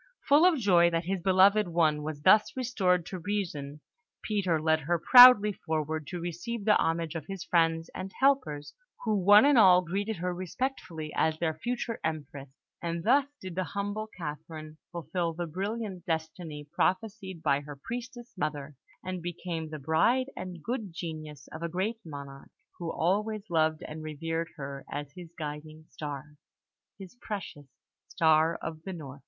Full of joy that his beloved one was thus restored to reason, Peter led her proudly forward to receive the homage of his friends and helpers, who one and all greeted her respectfully as their future Empress; and thus did the humble Catherine fulfil the brilliant destiny prophesied by her priestess mother, and become the bride and good genius of a great monarch, who always loved and revered her as his guiding star, his precious "Star of the North!"